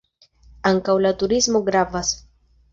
Ankaŭ la turismo gravas.